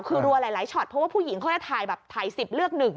คือรัวหลายช็อตเพราะว่าผู้หญิงเขาจะถ่าย๑๐เลือกหนึ่ง